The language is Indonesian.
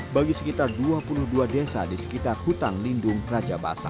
bagi sekitar dua puluh dua desa di sekitar hutan lindung rajabasa